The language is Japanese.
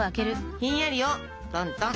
ひんやりトントン。